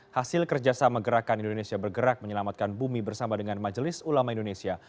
hasil kerjasama gerakan indonesia bergerak menyelamatkan bumi bersama dengan majelis ulama indonesia